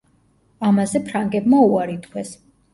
ამაზე ფრანგებმა უარი თქვეს.